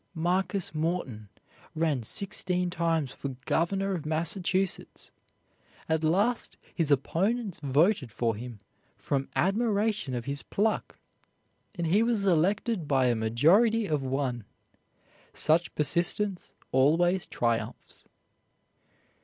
Marcus Morton ran sixteen times for governor of Massachusetts. At last his opponents voted for him from admiration of his pluck, and he was elected by a majority of one! Such persistence always triumphs.